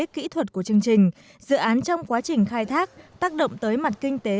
kỹ thuật của chương trình dự án trong quá trình khai thác tác động tới mặt kinh tế